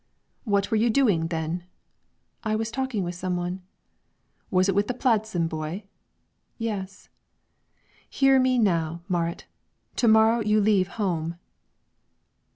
"What were you doing, then?" "I was talking with some one." "Was it with the Pladsen boy?" "Yes." "Hear me now, Marit; to morrow you leave home."